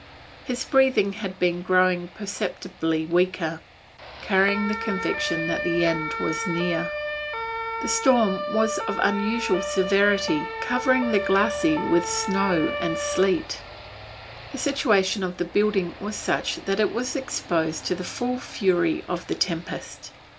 His breathing had been growing perceptibly weaker, carrying the conviction that the end was near. The storm was of unusual severity, covering the glacis with snow and sleet. The situation of the building was such that it was exposed to the full fury of the tempest.